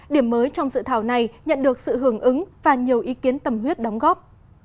điểm mới trong dự thảo này nhận được sự hưởng ứng và nhiều ý kiến tầm huyết đóng góp